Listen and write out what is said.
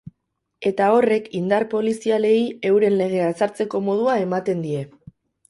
Eta horrek indar polizialei euren legea ezartzeko modua ematen die.